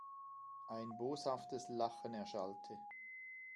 Ein boshaftes Lachen erschallte.